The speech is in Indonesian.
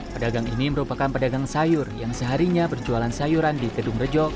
pedagang ini merupakan pedagang sayur yang seharinya berjualan sayuran di kedung rejo